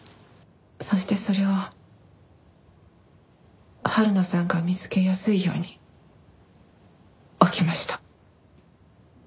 そしてそれを春菜さんが見つけやすいように置きました。